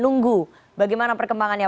menunggu bagaimana perkembangannya